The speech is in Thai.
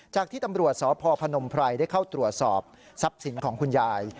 ที่ตำรวจสพพนมไพรได้เข้าตรวจสอบทรัพย์สินของคุณยาย